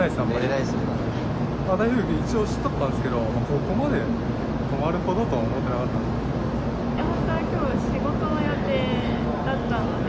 台風来るの一応知っとったんですけれども、ここまで止まるほどとは思ってなかったんで。